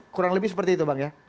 kurang lebih seperti itu bang ya